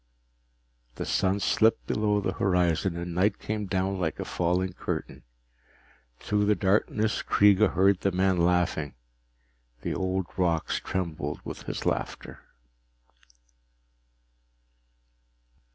The sun slipped below the horizon and night came down like a falling curtain. Through the darkness Kreega heard the man laughing. The old rocks trembled with his laughter.